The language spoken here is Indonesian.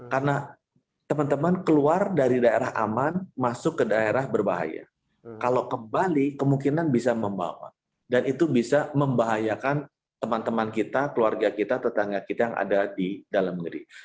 karena teman teman keluar dari daerah aman masuk ke daerah berbahaya kalau kembali kemungkinan bisa membawa dan itu bisa membahayakan teman teman kita keluarga kita tetangga kita yang ada di luar negeri